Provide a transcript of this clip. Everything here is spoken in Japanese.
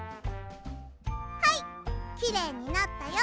はいきれいになったよ。